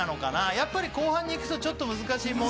やっぱり後半にいくとちょっと難しい問題ね。